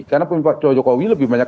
karena pemilih pak jokowi lebih banyak